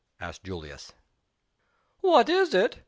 asked Julius. "What is it?"